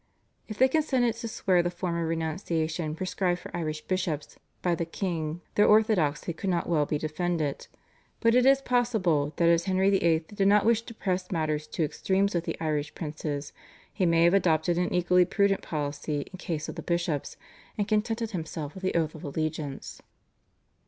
If they consented to swear the form of renunciation prescribed for Irish bishops by the king their orthodoxy could not well be defended, but it is possible that, as Henry VIII. did not wish to press matters to extremes with the Irish princes, he may have adopted an equally prudent policy in case of the bishops, and contented himself with the oath of allegiance.